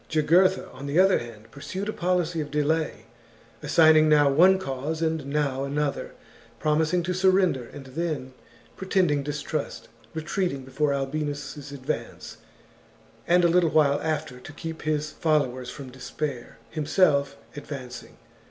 Jugurtha, on the other hand, pursued a policy of delay, assign ing now one cause and now another, promising to surrender and then pretending distrust, retreating before Albinus' advance, and a little while after, to keep his followers from despair, himself advancing.